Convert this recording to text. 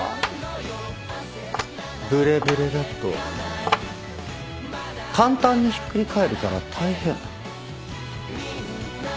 ブレブレだと簡単にひっくり返るから大変。